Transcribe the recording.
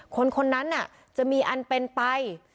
คนนั้นจะมีอันเป็นไป